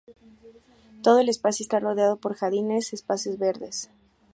Todo el espacio está rodeado por jardines y espacios verdes.